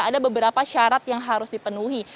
ada beberapa syarat yang harus dipenuhi